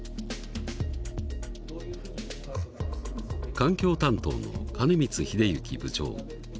環境担当の金光英之部長。